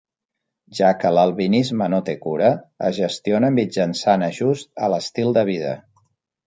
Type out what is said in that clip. Ja que l'albinisme no té cura, es gestiona mitjançant ajusts a l'estil de vida.